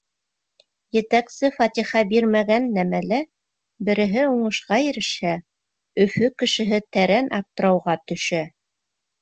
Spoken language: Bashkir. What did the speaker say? Етәксе фатиха бирмәгән нәмәлә береһе уңышҡа ирешһә, Өфө кешеһе тәрән аптырауға төшә.